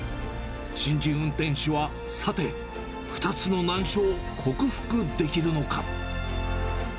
新人運転士はさて、２つの難所を克服できるのか。